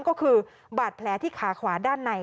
ก็คือบาดแผลที่ขาขวาด้านใน